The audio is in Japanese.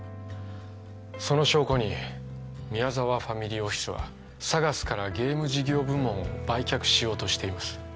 その証拠に宮沢ファミリーオフィスはＳＡＧＡＳからゲーム事業部門を売却しようとしています